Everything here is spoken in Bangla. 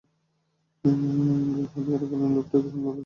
গ্যাং গলায় হাতকড়া পরানো লোকটাকে সামলাবে।